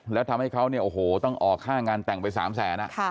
แล้วทำให้เขาเนี่ยโอ้โหต้องออก๕งานแต่งไป๓๐๐๐๐๐อ่ะ